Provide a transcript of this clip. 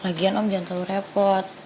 lagian om jangan terlalu repot